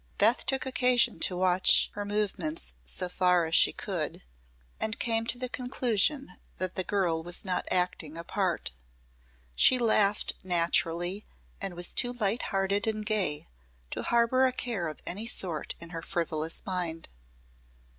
Beth took occasion to watch her movements, so far as she could, and came to the conclusion that the girl was not acting a part. She laughed naturally and was too light hearted and gay to harbor a care of any sort in her frivolous mind.